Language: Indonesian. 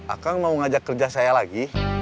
akan mau ngajak kerja saya lagi